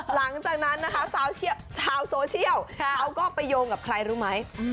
หลังจากนั้นนะคะชาวโซเชียลเขาก็ไปโยงกับใครรู้ไหม